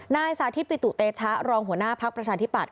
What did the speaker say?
นายสาธิตปิตุเตชะรองหัวหน้าพักประชาธิปัตย